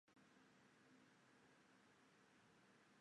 张松原来是东汉末年益州守将刘璋属下。